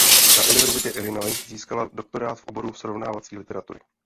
Na Universitě Illinois získala doktorát v oboru srovnávací literatury.